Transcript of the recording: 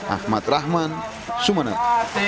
ahmad rahman sumeneb